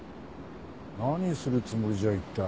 何するつもりじゃ一体。